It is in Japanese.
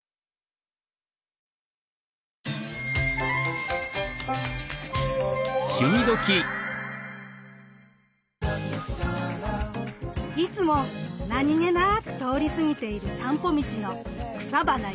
いつも何気なく通り過ぎているさんぽ道の草花や木々。